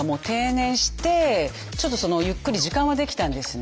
ちょっとゆっくり時間は出来たんですね。